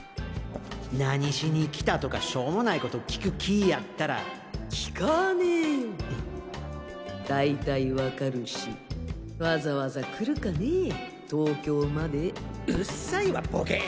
「何しに来た？」とかしょもないこと聞く気ぃやったら聞かねぇよ大体わかるしわざわざ来るかねぇ東京までうっさいわボケ！